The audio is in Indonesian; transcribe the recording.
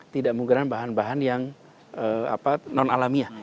tidak menggunakan bahan bahan yang non alamiah